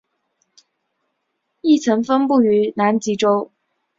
亦曾分布于南极洲。